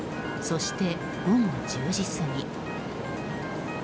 そして、午後１０時過ぎ。